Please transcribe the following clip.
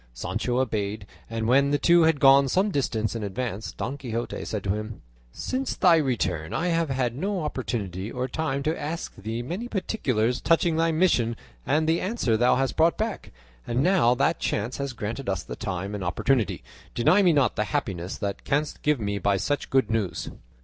Sancho obeyed, and when the two had gone some distance in advance Don Quixote said to him, "Since thy return I have had no opportunity or time to ask thee many particulars touching thy mission and the answer thou hast brought back, and now that chance has granted us the time and opportunity, deny me not the happiness thou canst give me by such good news."